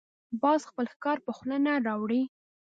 باز خپل ښکار په خوله نه راوړي